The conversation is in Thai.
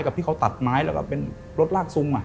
กับที่เขาตัดไม้แล้วก็เป็นรถลากซุง